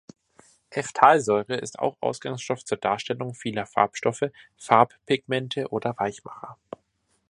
Phthalsäure ist auch Ausgangsstoff zur Darstellung vieler Farbstoffe, Farbpigmente oder Weichmacher.